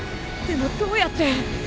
でもどうやって。